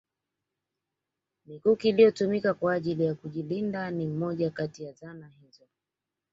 Mikuki iliyotumika kwa ajili ya kujilinda ni moja Kati ya zana hizo